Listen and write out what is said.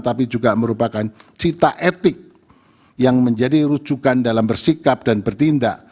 tapi juga merupakan cita etik yang menjadi rujukan dalam bersikap dan bertindak